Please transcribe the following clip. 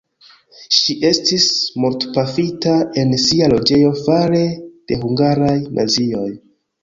Ŝi estis mortpafita en sia loĝejo fare de hungaraj nazioj.